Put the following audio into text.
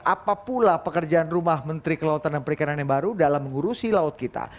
apa pula pekerjaan rumah menteri kelautan dan perikanan yang baru dalam mengurusi laut kita